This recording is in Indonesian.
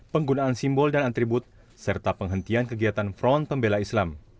penggunaan simbol dan atribut serta penghentian kegiatan front pembela islam